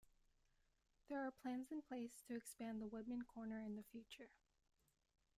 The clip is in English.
There are plans in place to expand the Woodman corner in the future.